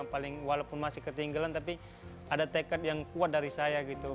paling walaupun masih ketinggalan tapi ada tekad yang kuat dari saya gitu